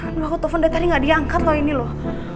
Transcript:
loh aku telfon dia tadi gak diangkat loh ini loh